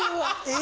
・え！？